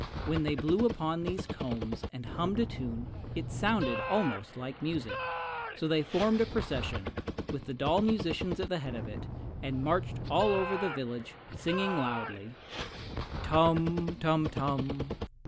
When they blew upon these combs and hummed a tune it sounded almost like music; so they formed a procession, with the doll musicians at the head of it, and marched all over the village, singing loudly: Tum, tum tum!